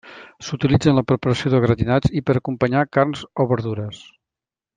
S'utilitza en la preparació de gratinats i per acompanyar carns o verdures.